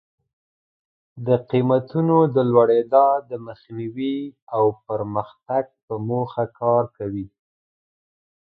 د قیمتونو د لوړېدا د مخنیوي او پرمختګ په موخه کار کوي.